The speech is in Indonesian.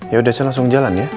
yaudah saya langsung jalan ya